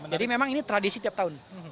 memang ini tradisi tiap tahun